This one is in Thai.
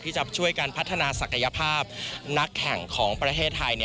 จะช่วยการพัฒนาศักยภาพนักแข่งของประเทศไทย